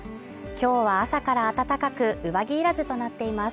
今日は朝から暖かく上着いらずとなっています